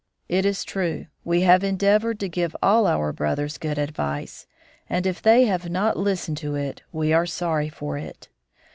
"It is true, we have endeavored to give all our brothers good advice, and if they have not listened to it we are sorry for it.